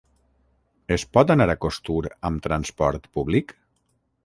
Es pot anar a Costur amb transport públic?